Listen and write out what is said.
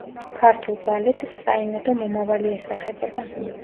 ქართულ ბალეტს საიმედო მომავალი ესახებოდა.